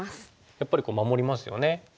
やっぱり守りますよね。